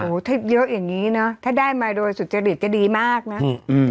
โอ้โหถ้าเยอะอย่างนี้เนอะถ้าได้มาโดยสุจริตจะดีมากนะ